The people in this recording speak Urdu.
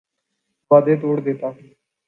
وعدے توڑ دیتا ہوں